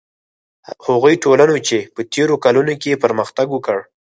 هغو ټولنو چې په تېرو کلونو کې پرمختګ وکړ.